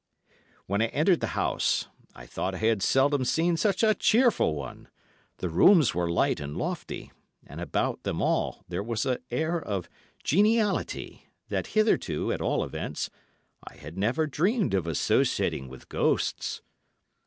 When I entered the house, I thought I had seldom seen such a cheerful one: the rooms were light and lofty, and about them all there was an air of geniality, that hitherto, at all events, I had never dreamed of associating with ghosts.